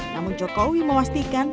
namun jokowi mewastikan